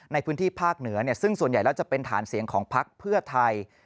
ในพื้นที่ภาคเหนือซึ่งส่วนใหญ่แล้วจะเป็นฐานเสียงของพักเพื่อไทย